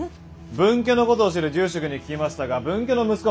分家のことを知る住職に聞きましたが分家の息子